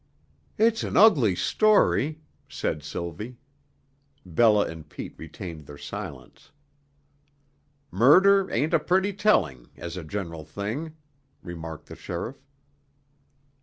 "It's an ugly story," said Sylvie. Bella and Pete retained their silence. "Murder ain't pretty telling, as a general thing," remarked the sheriff.